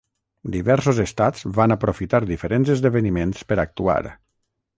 Diversos estats van aprofitar diferents esdeveniments per actuar.